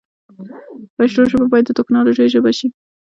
پښتو ژبه باید د تکنالوژۍ ژبه شی